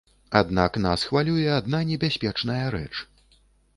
Аднак, нас хвалюе адна небяспечная рэч.